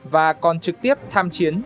và còn trực tiếp tham chiến